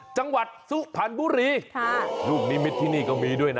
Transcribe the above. จังหวัดสุพรรณบุรีลูกนิมิตที่นี่ก็มีด้วยนะ